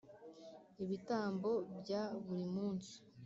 Ibitambo bya buri munsi